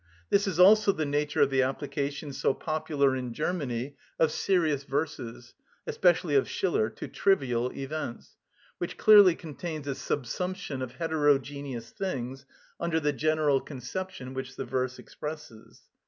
This is also the nature of the application so popular in Germany of serious verses, especially of Schiller, to trivial events, which clearly contains a subsumption of heterogeneous things under the general conception which the verse expresses.